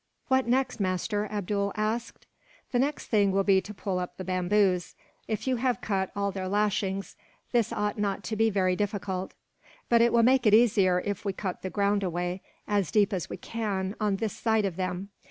"What next, master?" Abdool asked. "The next thing will be to pull up the bamboos. If you have cut all their lashings, this ought not to be very difficult; but it will make it easier if we cut the ground away, as deep as we can, on this side of them."